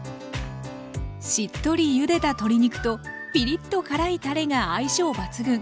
しっとりゆでた鶏肉とピリッと辛いたれが相性抜群。